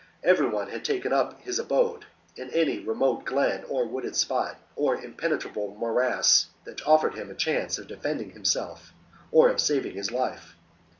Every one had taken up his abode in any remote glen or wooded spot or impenetrable morass that offered him a chance of defending himself or of saving his life.